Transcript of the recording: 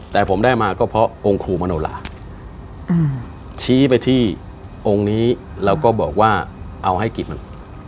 แต่ผมได้มาก็เพราะองค์ครูมโนลาชี้ไปที่องค์นี้แล้วก็บอกว่าเอาให้กิจมัน